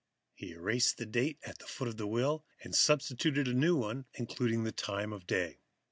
He erased the date at the foot of the will and substituted a new one, including the time of day.